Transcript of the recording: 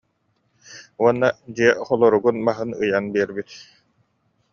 Уонна дьиэ холоругун маһын ыйан биэрбит